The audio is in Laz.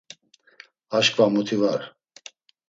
Aşǩva muti var.